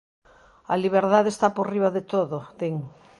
"A liberdade está por riba de todo", din.